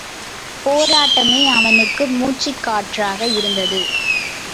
போராட்டமே அவனுக்கு மூச்சுக் காற்றாக இருந்தது.